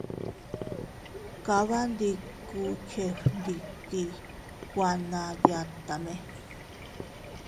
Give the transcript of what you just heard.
Kabandikku chefgnditiy kuana yatame.